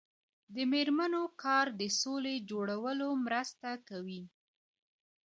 د میرمنو کار د سولې جوړولو مرسته کوي.